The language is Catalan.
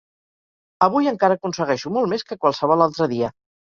Avui encara aconsegueixo molt més que qualsevol altre dia.